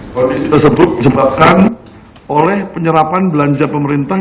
kondisi tersebut disebabkan oleh penyerapan belanja pemerintah